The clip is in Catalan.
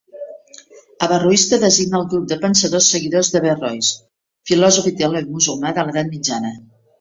Averroista designa el grup de pensadors seguidors d'Averrois, filòsof i teòleg musulmà de l'edat mitjana.